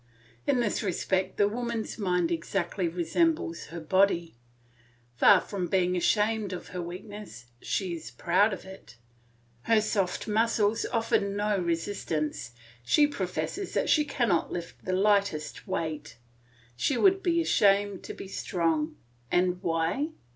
In this respect the woman's mind exactly resembles her body; far from being ashamed of her weakness, she is proud of it; her soft muscles offer no resistance, she professes that she cannot lift the lightest weight; she would be ashamed to be strong. And why?